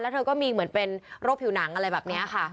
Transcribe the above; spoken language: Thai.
เธอก็มีเหมือนเป็นโรคผิวหนังอะไรแบบนี้ค่ะ